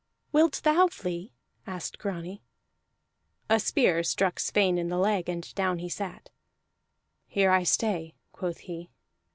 "Wilt thou flee?" asked Grani. A spear struck Sweyn in the leg, and down he sat. "Here I stay," quoth he.